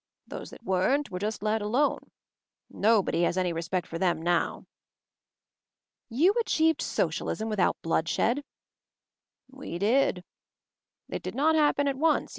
Those that weren't were just let alone. Nobody has any respect for them now." "You achieved Socialism without blood shed?" "We did.